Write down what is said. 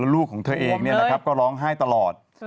ลูกของเธอเองก็ร้องไห้ตลอด